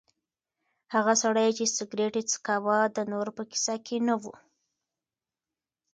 هغه سړی چې سګرټ یې څکاوه د نورو په کیسه کې نه و.